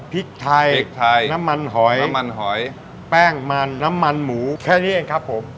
พริกไทยพริกไทยน้ำมันหอยน้ำมันหอยแป้งมันน้ำมันหมูแค่นี้เองครับผม